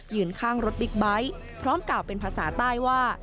ข้างรถบิ๊กไบท์พร้อมกล่าวเป็นภาษาใต้ว่า